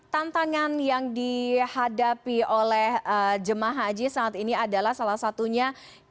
tantangan yang dihadapi oleh jemaah haji saat ini adalah salah satunya